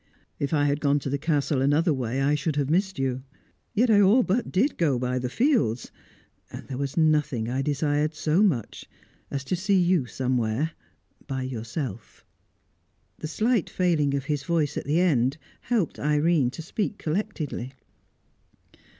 If I had gone to the Castle another way, I should have missed you; yet I all but did go by the fields. And there was nothing I desired so much as to see you somewhere by yourself." The slight failing of his voice at the end helped Irene to speak collectedly.